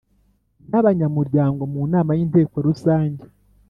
n abanyamuryango mu nama y Inteko Rusange